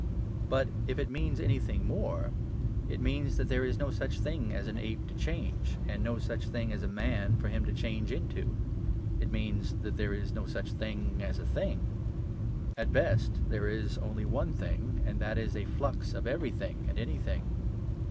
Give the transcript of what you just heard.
But if it means anything more, it means that there is no such thing as an ape to change, and no such thing as a man for him to change into. It means that there is no such thing as a thing. At best, there is only one thing, and that is a flux of everything and anything.